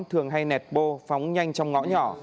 thường hay nẹt bô phóng nhanh trong ngõ nhỏ